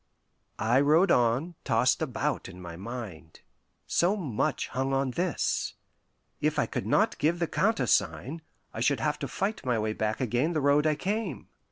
I rode on, tossed about in my mind. So much hung on this. If I could not give the countersign, I should have to fight my way back again the road I came.